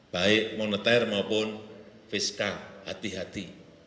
baik moneter maupun fiskal hati hati